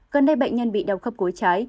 gần đây bệnh nhân bị đau khớp cối trái